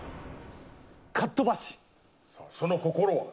その心は？